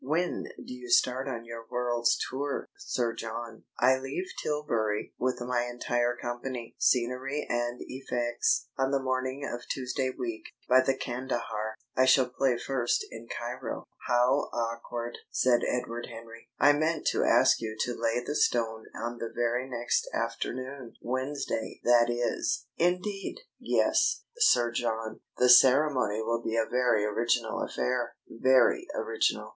"When do you start on your world's tour, Sir John?" "I leave Tilbury with my entire company, scenery and effects, on the morning of Tuesday week, by the Kandahar. I shall play first in Cairo." "How awkward!" said Edward Henry. "I meant to ask you to lay the stone on the very next afternoon Wednesday, that is!" "Indeed!" "Yes, Sir John. The ceremony will be a very original affair very original!"